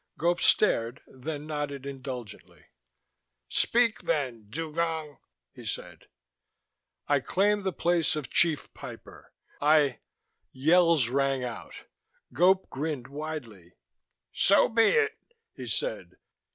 Gope stared, then nodded indulgently. "Speak then, Dugong," he said. "I claim the place of Chief Piper. I " Yells rang out; Gope grinned widely. "So be it," he said.